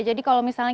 jadi kalau misalnya